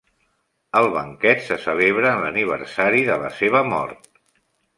El banquet se celebra en l'aniversari de la seva mort.